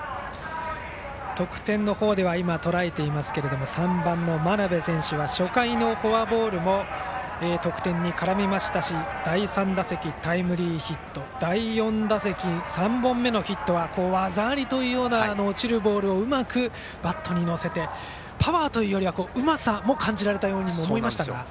得点の方では３番の真鍋選手は初回のフォアボールも得点に絡みましたし第３打席、タイムリーヒット第４打席、３本目のヒットは技ありというような落ちるボールをうまくバットに乗せてパワーというよりはうまさも感じられたようにも思いましたが。